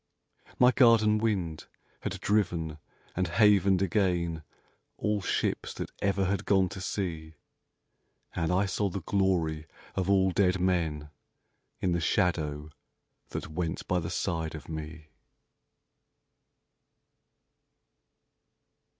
My garden wind had driven and havened again All ships that ever had gone to sea, And I saw the glory of all dead men In the shadow that went by the side of me.